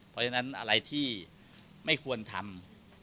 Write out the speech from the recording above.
เพราะฉะนั้นอะไรที่ไม่ควรทำ